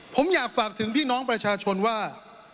ผมอยากฝากถึงพี่น้องประชาชนว่า